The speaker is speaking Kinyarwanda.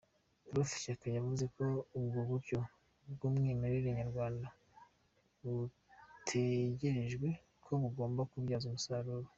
Prof Shyaka yavuze ko ubwo buryo bw’umwiherere nyarwanda hatekerejwe ko bugomba kubyazwa umusaruro.